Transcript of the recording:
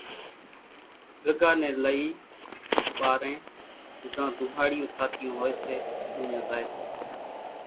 ڳڳا نين لئي ٻارين زان ڌونۿاڙيون ٿاتيون ھوئي سي اُوڃان زائي سي